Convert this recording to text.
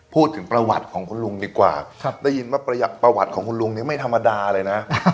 พูดถึงประวัติของคุณลุงดีกว่าได้ยินว่าประวัติของคุณลุงนี้ไม่ธรรมดาเลยนะ